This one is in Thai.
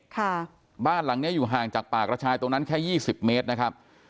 ค่ะบ้านหลังเนี้ยอยู่ห่างจากป่ากระชายตรงนั้นแค่ยี่สิบเมตรนะครับ